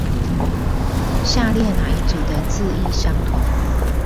下列那一組的字義相同？